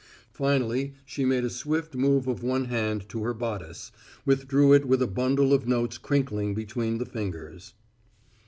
Finally she made a swift move of one hand to her bodice, withdrew it with a bundle of notes crinkling between the fingers.